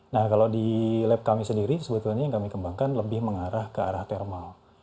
nah kalau di lab kami sendiri sebetulnya yang kami kembangkan lebih mengarah ke arah thermal